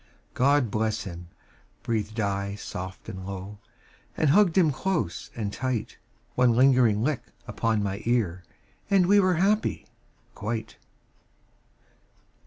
"God bless him," breathed I soft and low, And hugged him close and tight. One lingering lick upon my ear And we were happy quite.